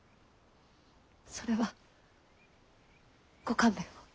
それはご勘弁を。